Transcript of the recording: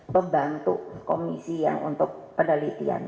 pembantu komisi yang untuk penelitian